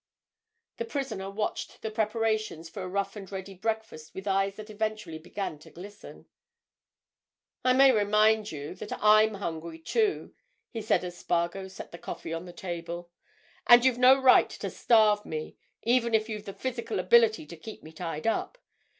The prisoner watched the preparations for a rough and ready breakfast with eyes that eventually began to glisten. "I may remind you that I'm hungry, too," he said as Spargo set the coffee on the table. "And you've no right to starve me, even if you've the physical ability to keep me tied up.